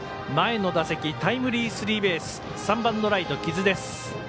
前の打席タイムリースリーベース３番のライト、木津です。